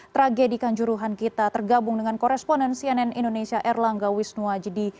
tragedikan juruhan kita tergabung dengan koresponen cnn indonesia erlangga wisnuwajidi